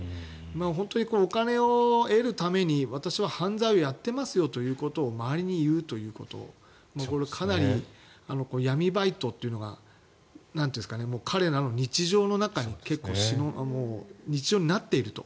本当にこのお金を得るために私は犯罪をやってますよということを周りに言うということこれ、かなり闇バイトというのが彼らの日常になっていると。